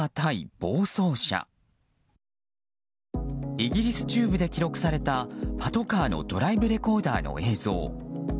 イギリス中部で記録されたパトカーのドライブレコーダーの映像。